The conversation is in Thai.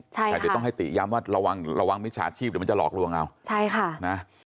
แต่เดี๋ยวต้องให้ติย้ำว่าระวังมิชชาชีพเดี๋ยวมันจะหลอกลวงเอา